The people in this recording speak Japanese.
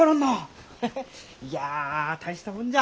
ヘヘッいや大したもんじゃ。